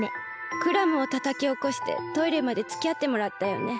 クラムをたたきおこしてトイレまでつきあってもらったよね。